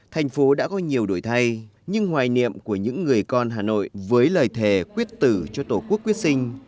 thành phố đã có nhiều đổi thay nhưng hoài niệm của những người con hà nội với lời thề quyết tử cho tổ quốc quyết sinh